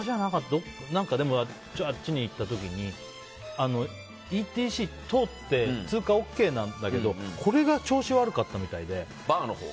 どこか、あっちに行った時にＥＴＣ通って通過ＯＫなんだけどこれが調子悪かったみたいで。